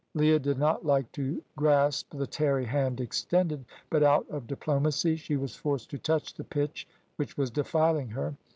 Leah did not like to grasp the tarry hand extended, but out of diplomacy she was forced to touch the pitch which was defiling her.